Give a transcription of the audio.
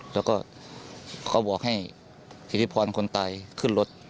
แล้วก็เขาบอกให้สิทธิพรคนตายขึ้นรถ